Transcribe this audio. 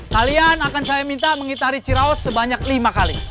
kalian akan saya minta mengitari ciraos sebanyak lima kali